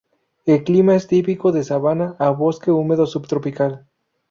El clima es típico de sabana a bosque húmedo subtropical.